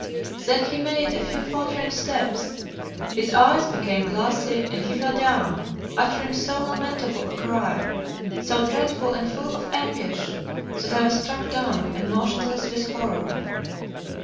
Then he made a few faltering steps, his eyes became glassy, and he fell down, uttering so lamentable a cry, so dreadful and full of anguish, that I was struck dumb and motionless with horror.